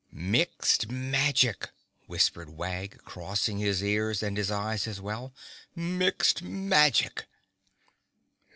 "Mixed Magic!" whispered Wag, crossing his ears and his eyes as well. "Mixed Magic!"